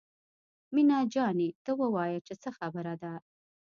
مينه جانې ته ووايه چې څه خبره ده.